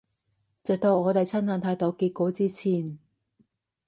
直到我哋親眼睇到結果之前